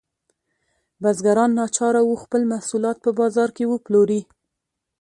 بزګران ناچاره وو خپل محصولات په بازار کې وپلوري.